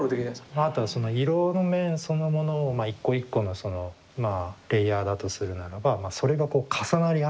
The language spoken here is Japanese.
あとはその色の面そのものを一個一個のレイヤーだとするならばそれがこう重なり合ってできている。